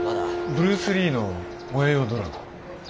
ブルース・リーの「燃えよドラゴン」。